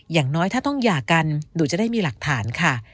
อย่างน้อยถ้าต้องหย่ากันหนูจะได้มีหลักฐานค่ะ